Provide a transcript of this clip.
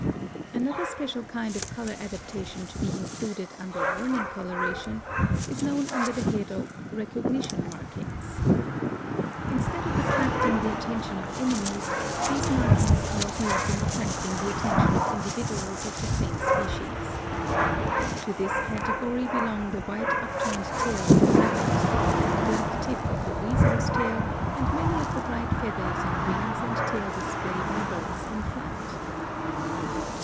Another special kind of color adaptation to be included under Warning Coloration is known under the head of recognition markings. Instead of attracting the attention of enemies, these markings are of use in attracting the attention of individuals of the same species. To this category belong the white upturned tail of the rabbit, the black tip of the weasel's tail and many of the bright feathers in wings and tail displayed by birds in flight.